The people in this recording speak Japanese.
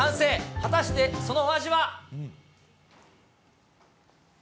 果たしてそのお味は。